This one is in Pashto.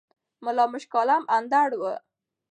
ملا مُشک عالَم اندړ وو